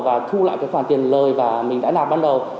và thu lại cái khoản tiền lời mà mình đã nạp ban đầu